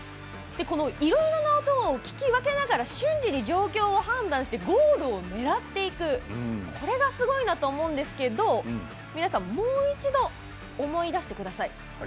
このいろいろな音を聞き分けながら瞬時に状況を判断してゴールを狙っていくこれがすごいなと思うんですけど皆さん、もう一度思い出してください。